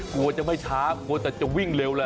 กลัวจะไม่ช้ากว่าจะวิ่งเร็วละ